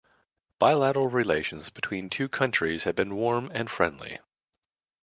Bilateral relations between two countries have been warm and friendly.